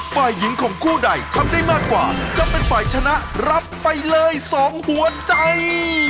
ฝ่ายหญิงของคู่ใดทำได้มากกว่าจะเป็นฝ่ายชนะรับไปเลย๒หัวใจ